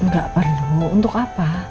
gak perlu untuk apa